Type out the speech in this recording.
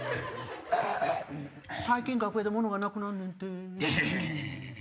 最近楽屋でものがなくなんねんって。